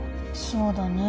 そうだね。